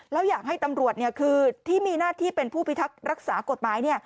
แล้วอยากให้ตำรวจคือที่มีหน้าที่เป็นผู้พิทักษ์รักษากฎหมาย